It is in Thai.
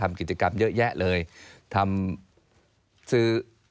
ทำกิจกรรมเยอะแยะเลยทำซื้อ